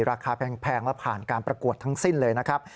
ราคาแพงและผ่านการประกวดทั้งสิ้นเลยนะครับ